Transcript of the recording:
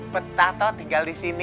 petato tinggal disini